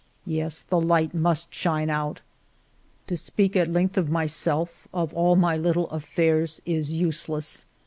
Yes, the light must shine out. " To speak at length of myself, of all my little affairs, is useless.